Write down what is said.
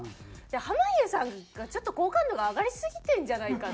濱家さんがちょっと好感度が上がりすぎてるんじゃないかっていう。